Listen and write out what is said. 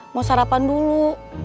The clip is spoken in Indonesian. mau sarapan dulu